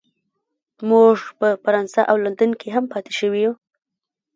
موږ په فرانسه او لندن کې هم پاتې شوي یو